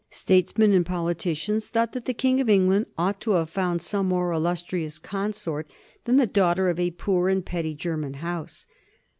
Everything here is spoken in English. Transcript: Statesmen and politicians thought that the King of England ought to have found some more illustrious consort than the daughter of a poor and petty German House.